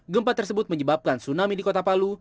gempa tersebut menyebabkan tsunami di kota palu